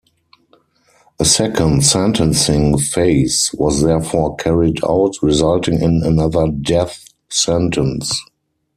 A second sentencing phase was therefore carried out, resulting in another death sentence.